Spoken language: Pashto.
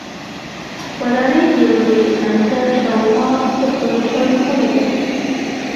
ودانۍ د یو لوی انګړ شاوخوا په سلو شل خونې لري.